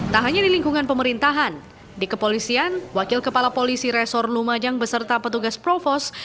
tak hanya di lingkungan pemerintahan di kepolisian wakil kepala polisi resor lumajang beserta petugas provos